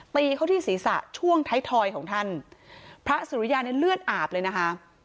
ตีเขาที่ศีรษะช่วงท้ายทอยของท่านพระสุริยาในเลือดอาบเลยนะคะ